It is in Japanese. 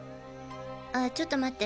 あちょっと待って。